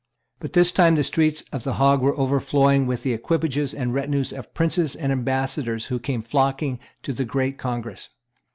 But this time the streets of the Hague were overflowing with the equipages and retinues of princes and ambassadors who came flocking to the great Congress.